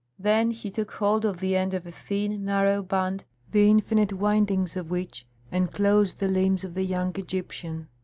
Then he took hold of the end of a thin, narrow band, the infinite windings of which enclosed the limbs of the young Egyptian.